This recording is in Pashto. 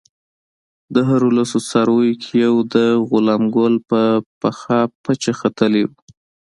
د هرو لسو څارویو کې یو د غلام ګل په پخه پچه ختلی وو.